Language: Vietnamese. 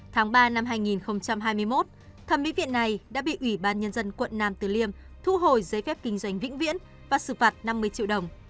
tháng ba năm hai nghìn hai mươi một thẩm mỹ viện này đã bị ủy ban nhân dân quận nam từ liêm thu hồi giấy phép kinh doanh vĩnh viễn và xử phạt năm mươi triệu đồng